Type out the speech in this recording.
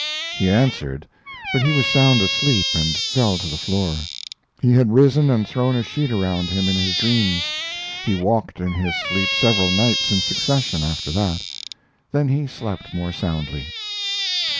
He answered, but he was sound asleep and fell to the floor. He had risen and thrown a sheet around him in his dreams. He walked in his sleep several nights in succession after that. Then he slept more soundly.